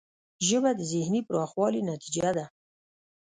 ژبه د ذهنی پراخوالي نتیجه ده